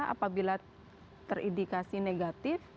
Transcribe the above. apabila terindikasi negatif